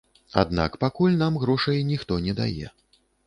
Аднак пакуль нам грошай ніхто не дае.